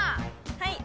はい。